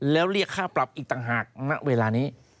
แล้วเรียกค่าปรับอีกต่างหากณเวลานี้